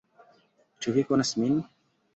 Ĉu vi konas min?